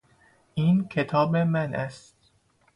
این کتاب من است.